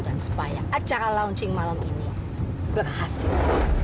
dan supaya acara launching malam ini berhasil